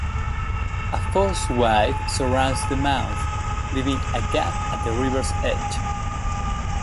A fosse wide surrounds the mound, leaving a gap at the river's edge.